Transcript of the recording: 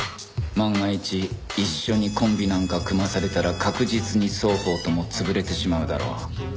万が一一緒にコンビなんか組まされたら確実に双方とも潰れてしまうだろう